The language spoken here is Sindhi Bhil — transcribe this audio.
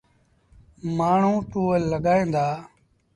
مآڻهوٚݩ ٽوئيل لڳائيٚݩ دآ۔